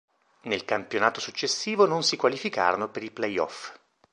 Nel campionato successivo non si qualificarono per i play-off.